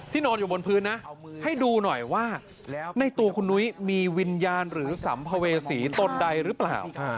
นอนอยู่บนพื้นนะให้ดูหน่อยว่าในตัวคุณนุ้ยมีวิญญาณหรือสัมภเวษีตนใดหรือเปล่า